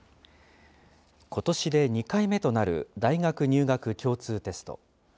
ことしで２回目となる大学入学共通テスト。